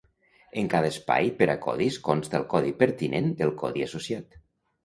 En cada espai per a codis consta el codi pertinent del codi associat.